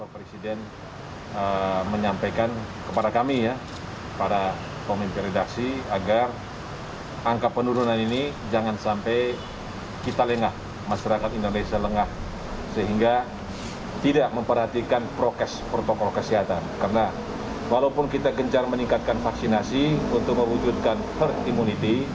presiden joko widodo mengatakan